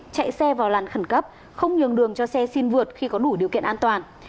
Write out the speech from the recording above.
chạy xe vào làn khẩn cấp không nhường đường cho xe xin vượt khi có đủ điều kiện an toàn